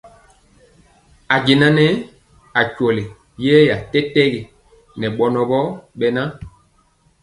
Y jaŋa nɛɛ akweli yeeya tɛtɛgi ŋɛ bɔnɔ wɔ bn.